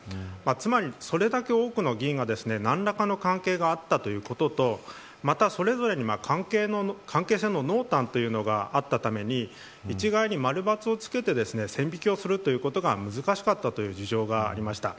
つまり、それだけ多くの議員が何らかの関係があったということとまた、それぞれに関係者の濃淡というのがあったために一概に丸罰をつけて線引きをするということが難しかったという事情がありました。